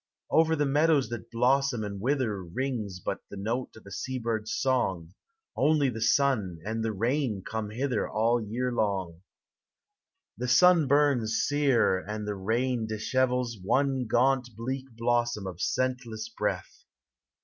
Over the meadows that blossom and wither Rings but the note of a sea bird's song; Only the sun and the rain come hither All year long. 390 POEMS OF NATURE. The sun burns sere and the rain dishevels One gaunt bleak blossom of scentless breath.